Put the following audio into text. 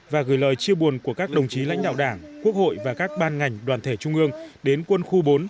và gửi lời chia buồn của các đồng chí lãnh đạo đảng quốc hội và các ban ngành đoàn thể trung ương đến quân khu bốn